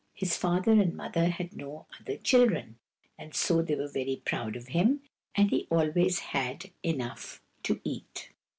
His father and mother had no other children, and so they were very proud of him, and he always had enough to eat.